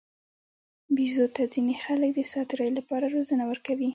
بیزو ته ځینې خلک د ساتیرۍ لپاره روزنه ورکوي.